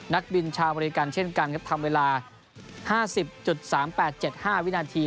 นักบินชาวอเมริกันเช่นกันครับทำเวลา๕๐๓๘๗๕วินาที